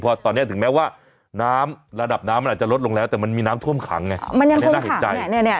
เพราะตอนนี้ถึงแม้ว่าน้ำระดับน้ำมันอาจจะลดลงแล้วแต่มันมีน้ำท่วมขังไงไม่น่าเห็นใจ